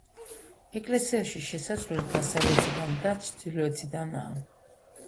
ეკლესიაში შესასვლელი დასავლეთიდან და ჩრდილოეთიდანაა.